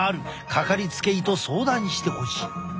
掛かりつけ医と相談してほしい。